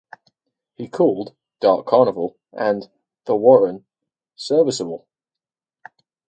He called "Dark Carnival" and "The Warren" "serviceable".